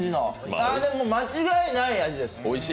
あーっ、でも間違いない味です！